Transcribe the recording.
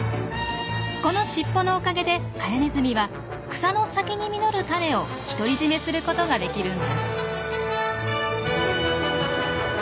この尻尾のおかげでカヤネズミは草の先に実る種を独り占めすることができるんです。